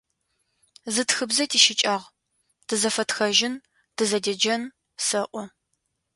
Зы тхыбзэ тищыкӏагъ: тызэфэтхэжьын, тызэдеджэн, сэӏо.